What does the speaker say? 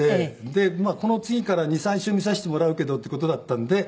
でこの次から２３週見させてもらうけどっていう事だったんで。